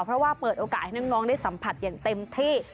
เพราะว่าเปิดโอกาสให้น้องได้สัมผัสอย่างเต็มที่